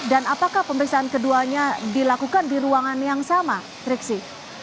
dan apakah pemeriksaan keduanya dilakukan di ruangan yang sama triksi